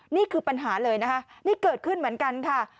นี่คือปัญหาเลยนะคะนี่เกิดขึ้นเหมือนกันค่ะ